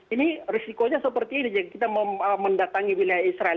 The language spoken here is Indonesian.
ini risikonya seperti ini kita mendatangi wilayah israel